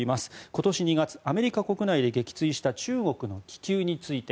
今年２月、アメリカ国内で撃墜した中国の気球について。